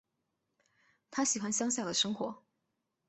她喜欢乡下的生活